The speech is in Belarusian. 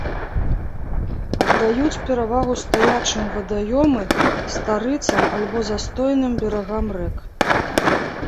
Аддаюць перавагу стаячым вадаёмы, старыцам, альбо застойным берагам рэк.